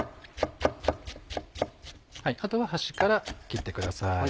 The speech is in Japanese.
あとは端から切ってください。